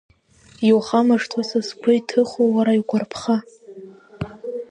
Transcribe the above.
Иухамышҭуа са сгәы иҭыхо, уара иугәарԥха!